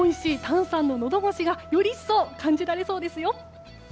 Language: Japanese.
炭酸ののどごしがより一層感じられそうです。